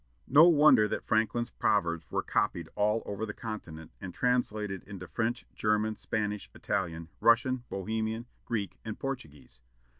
No wonder that Franklin's proverbs were copied all over the continent, and translated into French, German, Spanish, Italian, Russian, Bohemian, Greek, and Portuguese.